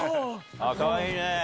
かわいいね！